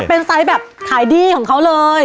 เป็นไซส์แบบขายดีของเขาเลย